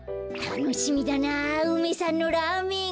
たのしみだな梅さんのラーメン。